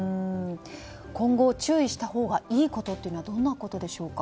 今後、注意したほうがいいのはどんなことでしょうか。